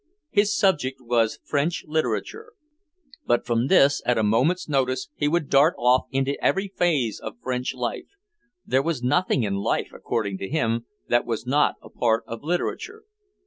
His subject was French literature, but from this at a moment's notice he would dart off into every phase of French life. There was nothing in life, according to him, that was not a part of literature.